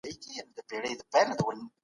دا یو داسي پېښه ده چي ټول افغانان په ویاړي.